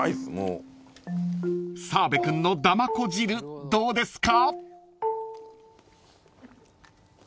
［澤部君のだまこ汁どうですか？］